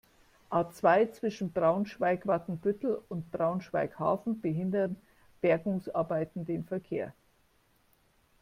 A-zwei, zwischen Braunschweig-Watenbüttel und Braunschweig-Hafen behindern Bergungsarbeiten den Verkehr.